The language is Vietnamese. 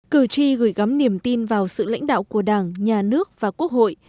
cử tri gửi gắm niềm tin vào sự lãnh đạo của đảng nhà nước và quốc hội